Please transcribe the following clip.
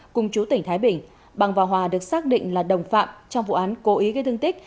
cùng chú tỉnh thái bình bằng và hòa được xác định là đồng phạm trong vụ án cố ý gây thương tích